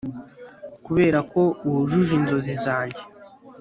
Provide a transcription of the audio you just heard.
kuberako, wujuje inzozi zanjye